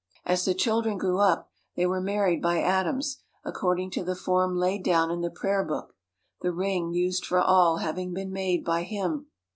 As the children grew up, they were married by Adams, according to the form laid down in the Prayer Book; the ring, used for all, having been made by him.